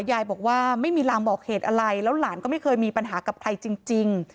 ยายบอกว่าไม่มีรางบอกเหตุอะไรแล้วหลานก็ไม่เคยมีปัญหากับใครจริง